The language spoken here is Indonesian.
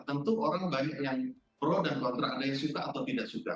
tentu orang banyak yang pro dan kontra ada yang suka atau tidak suka